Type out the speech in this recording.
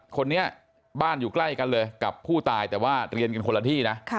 คนนี้บ้านอยู่ใกล้กันเลยกับผู้ตายแต่ว่าเรียนกันคนละที่นะ